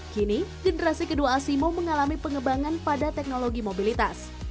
kini generasi kedua asimo mengalami pengembangan pada teknologi mobilitas